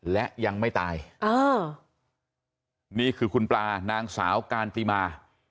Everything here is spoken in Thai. และยังไม่ตายนี่คือคุณปลานางสาวการติมา